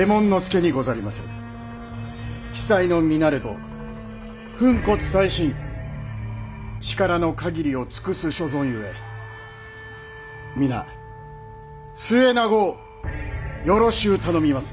非才の身なれど粉骨砕身力の限りを尽くす所存ゆえ皆末永うよろしう頼みます。